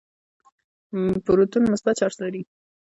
پروټون مثبت چارج لري.